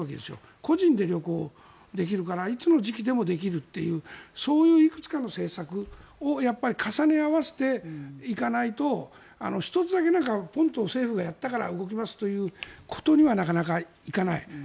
個人で旅行できるからいつの時期でも旅行できるというそういういくつかの政策をやっぱり重ね合わせていかないと１つだけポンと政府がやったから動きますということにはなかなかいかない。